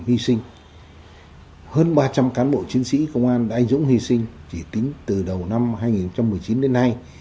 hy sinh hơn ba trăm linh cán bộ chiến sĩ công an đã anh dũng hy sinh chỉ tính từ đầu năm hai nghìn một mươi chín đến nay